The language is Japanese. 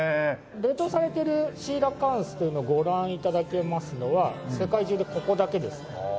冷凍されてるシーラカンスというのをご覧頂けますのは世界中でここだけですね。